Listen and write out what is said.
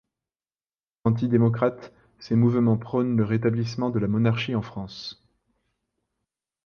Anti-démocrates, ces mouvements prônent le rétablissement de la monarchie en France.